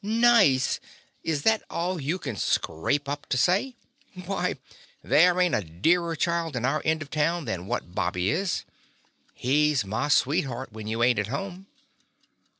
"Nice ! Is that all you can scrape up to say? Why, there ain't a dearer child in our end of town than what Bobby is. He 's my sweetheart when you ain't at home.